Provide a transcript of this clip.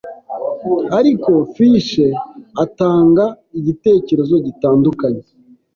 Ariko Fish atanga igitekerezo gitandukanye: